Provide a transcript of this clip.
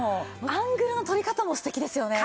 アングルの取り方も素敵ですよね。